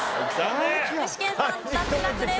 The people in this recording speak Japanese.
具志堅さん脱落です。